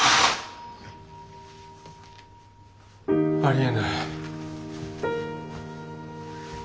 ありえない。